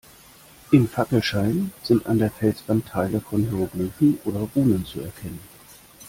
Im Fackelschein sind an der Felswand Teile von Hieroglyphen oder Runen zu erkennen.